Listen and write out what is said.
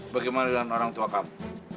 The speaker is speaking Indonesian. bagaimana dengan orang tua kamu